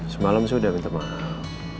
semalam sudah minta maaf